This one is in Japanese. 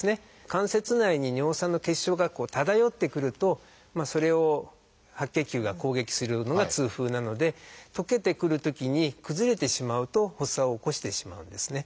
関節内に尿酸の結晶が漂ってくるとそれを白血球が攻撃するのが痛風なので溶けてくるときに崩れてしまうと発作を起こしてしまうんですね。